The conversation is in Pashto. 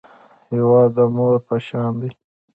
هېواد د مور په شان دی